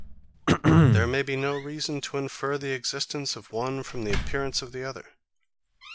There may be no reason to infer the existence of one from the appearance of the other.